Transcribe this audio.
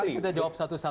mari kita jawab satu satu